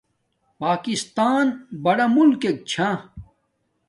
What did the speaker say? پاکستان بڑا ملکک چھا